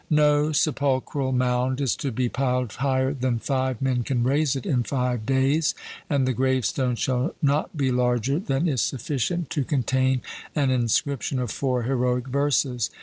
No sepulchral mound is to be piled higher than five men can raise it in five days, and the grave stone shall not be larger than is sufficient to contain an inscription of four heroic verses.